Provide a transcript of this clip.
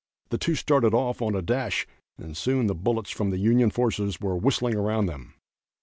The two started off on a dash and soon the bullets from the Union forces were whistling around them.